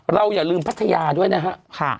อย่าลืมพัทยาด้วยนะครับ